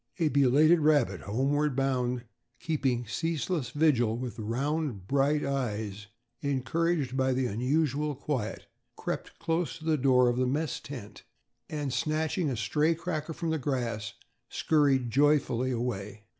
A belated rabbit homeward bound, keeping ceaseless vigil with round bright eyes, encouraged by the unusual quiet, crept close to the door of the mess tent, and snatching a stray cracker from the grass, scurried joyfully away.